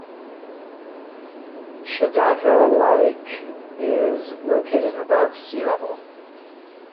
Shidaka Lake is located above sea level.